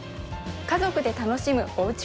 家族で楽しむおうち